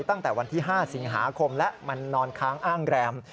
ตั้งแต่วันที่๕สิงหาคมและมันนอนค้างอ้างแรม